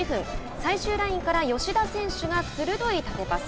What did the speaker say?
最終ラインから吉田選手が鋭い縦パス。